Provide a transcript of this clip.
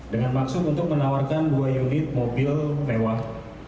dengan maksud untuk menawarkan dua unit mobil mewah